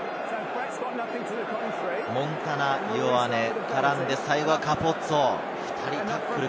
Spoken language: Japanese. モンタナ・イオアネから、最後はカプオッツォ。